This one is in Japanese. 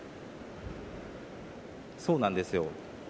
そうなんですよ。